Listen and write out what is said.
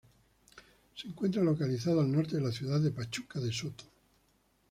Se encuentro localizado al norte de la ciudad de Pachuca de Soto.